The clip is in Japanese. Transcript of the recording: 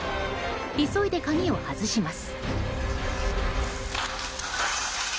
急いで鍵を外します。